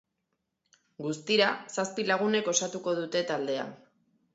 Guztira, zazpi lagunek osatuko dute taldea.